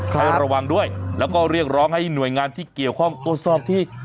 ให้ระวังด้วยแล้วก็เรียกร้องให้หน่วยงานที่เกี่ยวข้องตรวจสอบที่